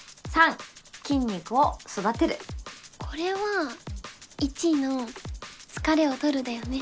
３筋肉を育てるこれは１の疲れをとるだよね